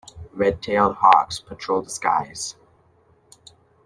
Red-tailed hawks patrol the skies.